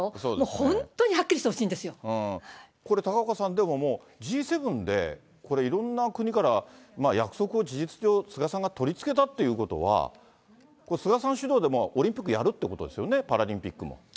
本当にはっきりしてほしいんです高岡さん、でもＧ７でこれ、いろんな国から約束を事実上、菅さんが取り付けたっていうことは、これ、菅さん主導でオリンピックやるってことですよね、パラリンピックも。